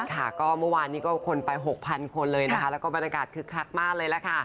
ค่ะก็เมื่อวานนี้ก็คนไป๖๐๐คนเลยนะคะแล้วก็บรรยากาศคึกคักมากเลยล่ะค่ะ